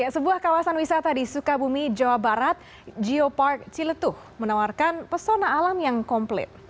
sebuah kawasan wisata di sukabumi jawa barat geopark ciletuh menawarkan pesona alam yang komplit